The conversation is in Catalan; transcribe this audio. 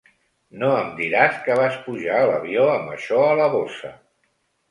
No em diràs que vas pujar a l'avió amb això a la bossa?